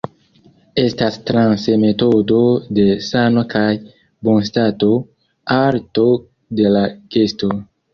Estas transe metodo de sano kaj bonstato, arto de la gesto.